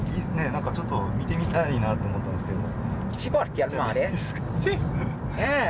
何かちょっと見てみたいなと思ったんですけど。